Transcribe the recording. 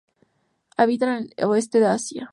Habita en el oeste de Asia.